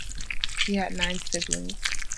He had nine siblings.